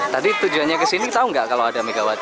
tadi tujuannya ke sini tahu nggak kalau ada megawati